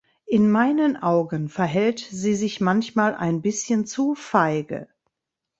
In meinen Augen verhält sie sich manchmal ein bisschen zu feige.